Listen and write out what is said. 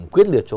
quyết liệt cho